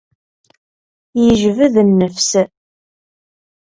Yejbed nnefs.